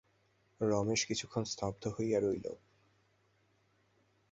রমেশ কিছুক্ষণ স্তব্ধ হইয়া রহিল।